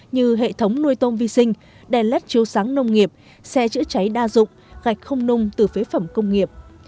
như hệ thống nuôi tôm vi sinh đèn led chiếu sáng nông nghiệp xe chữa cháy đa dụng gạch không nung từ phế phẩm công nghiệp